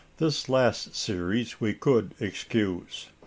This last series we could excuse.